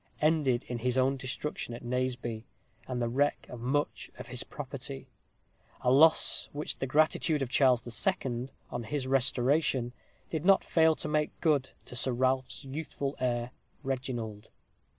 ended in his own destruction at Naseby, and the wreck of much of his property; a loss which the gratitude of Charles II., on his restoration, did not fail to make good to Sir Ralph's youthful heir, Reginald.